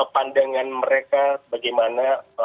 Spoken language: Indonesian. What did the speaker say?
pandangan mereka bagaimana